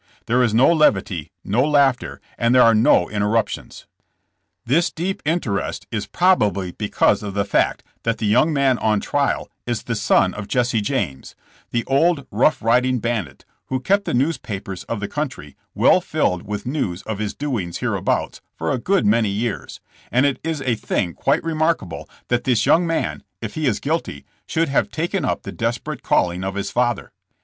There is no levity, no laughter, and there are no interruptions. "This deep interest is probably because of the fact that the young man on trial is the son of Jesse James, the old rough riding bandit who kept the newspapers of the country well filled with news of his doings hereabouts for a good many years, and it is a thing quite remarkable that this young man, if he is guilty, should have taken up the desperate call ing of his father.